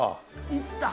いった！